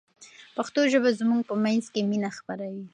پښتو ژبه زموږ په منځ کې مینه خپروي.